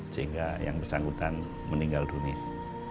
sehingga yang bersangkutan meninggal dunia